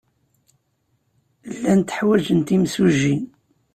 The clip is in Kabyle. Llant ḥwajent imsujji.